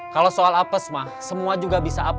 kalau soal apes mah semua juga bisa apa